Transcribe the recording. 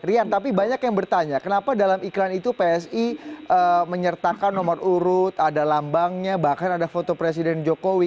rian tapi banyak yang bertanya kenapa dalam iklan itu psi menyertakan nomor urut ada lambangnya bahkan ada foto presiden jokowi